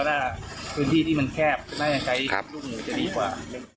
ในพื้นที่ที่มันแคบใช้รูปหนูจะดีกว่า